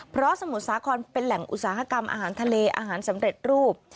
เพราะสมุทรสาครเป็นแหล่งอุตสาหกรรมอาหารทะเลอาหารสำเร็จรูป